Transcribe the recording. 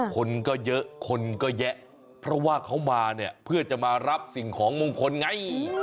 คนก็เยอะคนก็แยะเพราะว่าเขามาเนี่ยเพื่อจะมารับสิ่งของมงคลไง